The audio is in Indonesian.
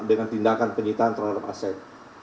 dengan tindakan penyitaan terhadap aset